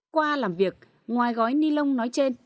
qua làm việc ngoài gói ni lông nói trên